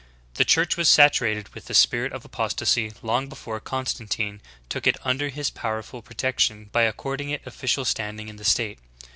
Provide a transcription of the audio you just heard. The Church was saturated with the spirit of apostasy long before Con stantine took it under his powerful protection by accord ing it official standing in the state.